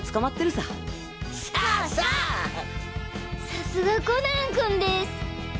さすがコナン君です。